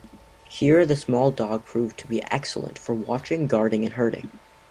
Here the small dog proved to be excellent for watching, guarding and herding.